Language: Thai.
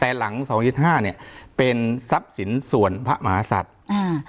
แต่หลังสองยึดห้าเนี่ยเป็นทรัพย์สินส่วนพระมหาศัตริย์อ่า